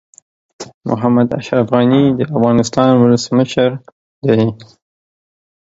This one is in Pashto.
محمد اشرف غني د افغانستان ولسمشر دي.